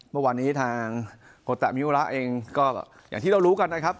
เมื่อวานนี้ทางโคตะมิวระเองก็อย่างที่เรารู้กันนะครับ